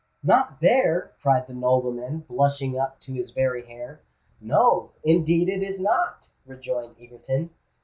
"Not there!" cried the nobleman, blushing up to his very hair. "No—indeed it is not!" rejoined Egerton.